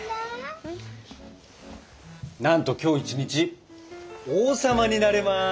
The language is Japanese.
なんと今日一日王様になれます！